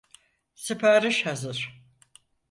Sipariş hazır!